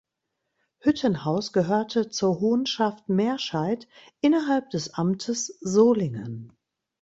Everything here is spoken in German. Hüttenhaus gehörte zur Honschaft Merscheid innerhalb des Amtes Solingen.